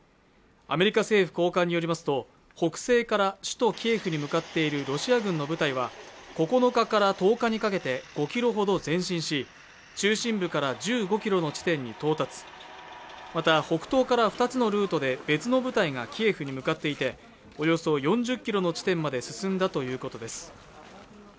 アメリカ政府高官によりますと北西から首都キエフに向かっているロシア軍の部隊は９日から１０日にかけて５キロほど前進し中心部から１５キロの地点に到達また北東から２つのルートで別の部隊がキエフに向かっていておよそ４０キロの地点まで進んだということです